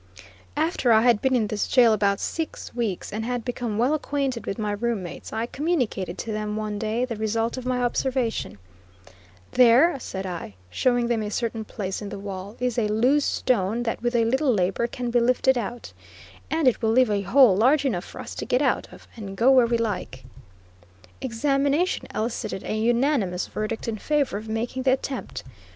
After I had been in this jail about six weeks, and had become well acquainted with my room mates, I communicated to them one day, the result of my observation: "There," said I, showing them a certain place in the wall, "is a loose stone that with a little labor can be lifted out, and it will leave a hole large enough for us to get out of and go where we like." Examination elicited a unanimous verdict in favor of making the attempt.